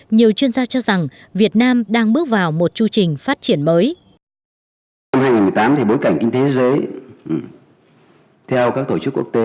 nhiều chuyên gia cho rằng việt nam đang bước vào một chưu trình phát triển mới